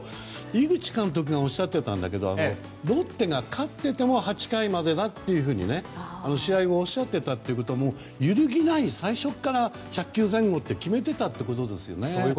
井口監督がおっしゃっていたんだけどロッテが勝っていても８回までだというふうに試合後におっしゃっていたということは最初から１００球前後と決めていたということですよね。